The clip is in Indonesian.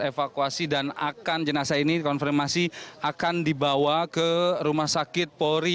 evakuasi dan akan jenazah ini dikonfirmasi akan dibawa ke rumah sakit polri